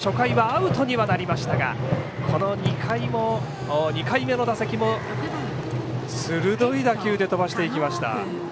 初回に続いて初回はアウトにはなりましたがこの２回目の打席も鋭い打球で飛ばしていきました。